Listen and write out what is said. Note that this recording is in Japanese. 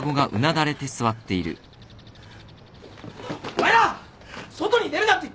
お前ら外に出るなって言ったろ？